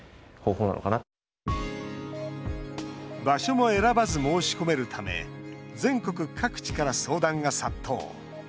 場所も選ばず申し込めるため全国各地から相談が殺到。